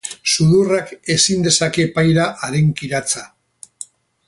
Sudurrak ezin dezake paira haren kiratsa.